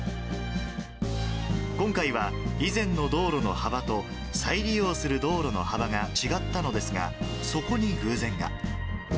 今回は以前の道路の幅と、再利用する道路の幅が違ったのですが、そこに偶然が。